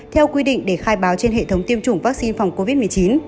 theo quy định để khai báo trên hệ thống tiêm chủng vaccine phòng covid một mươi chín